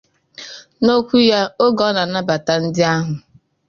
N'okwu ya oge ọ na-anabata ndị ahụ